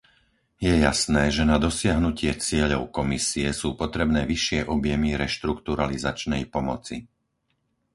Je jasné, že na dosiahnutie cieľov Komisie sú potrebné vyššie objemy reštrukturalizačnej pomoci.